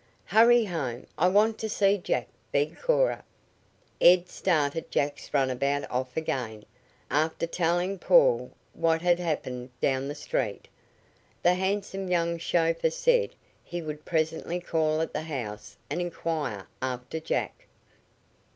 "Hurry home. I want to see Jack," begged Cora. Ed started Jack's runabout off again, after telling Paul what had happened down the street. The handsome young chauffeur said he would presently call at the house and inquire after Jack.